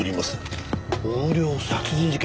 横領殺人事件